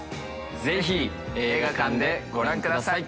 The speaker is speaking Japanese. ぜひ映画館でご覧ください。